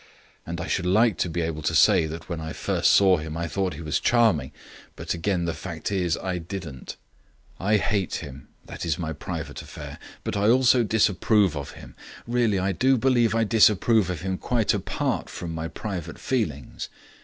And I should like to be able to say that when I first saw him I thought he was charming. But again, the fact is I didn't. I hate him, that is my private affair. But I also disapprove of him really I do believe I disapprove of him quite apart from my private feelings.